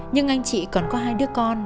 nhưng anh chị còn có hai đứa con